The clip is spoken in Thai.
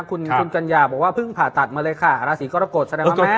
คุณคุณกัญญาบอกว่าเพิ่งผ่าตัดมาเลยค่ะราศีกรกฎแสดงว่าแม่